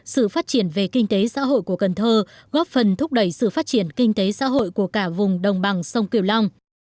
sự phát triển về kinh tế xã hội của cần thơ góp phần thúc đẩy sự phát triển kinh tế xã hội của cả vùng đồng bằng sông kiều long